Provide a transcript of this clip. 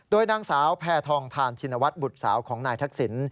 โดยนางสาวแพทองทานชินวัฒน์บุตรสาวของนายทักษิณ